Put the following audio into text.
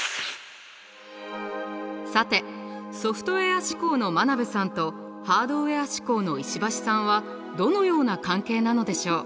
さてソフトウェア指向の真鍋さんとハードウェア指向の石橋さんはどのような関係なのでしょう？